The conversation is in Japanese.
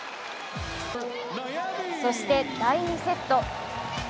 そして第２セット。